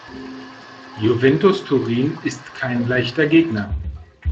Juventus Turin ist kein leichter Gegner.